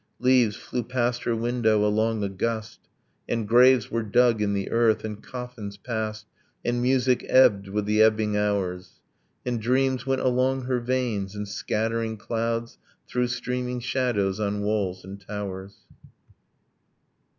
Leaves flew past her window along a gust ... And graves were dug in the earth, and coffins passed, And music ebbed with the ebbing hours. And dreams went along her veins, and scattering clouds Threw streaming shadows on walls and towers.